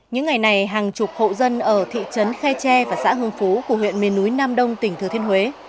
những ngày này hàng chục hậu dân ở thị trấn khe tre và xã hưng phú của huyện miền núi nam đông tỉnh thực thiên huế